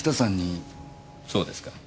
そうですか。